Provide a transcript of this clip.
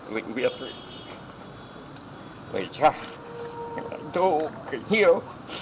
mình biết vì cha lãnh tụ kính yêu